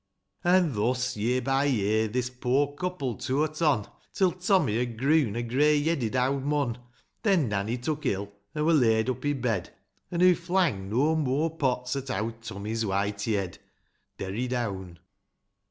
XHI. An' thus, year by year, this poor couple toar't on, Till Tommy had groon a grey yedded owd mon ; Then, Nanny took ill, an' wur laid up i' bed. An' hoo flang no moore pots at owd Tommy's white yed. Derry down.